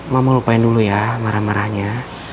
mama lupain dulu ya marah marahnya